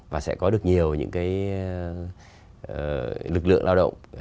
và sẽ có được nhiều những cái lực lượng lao động